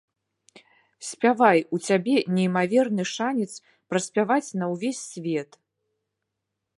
Спявай, у цябе неймаверны шанец праспяваць на ўвесь свет!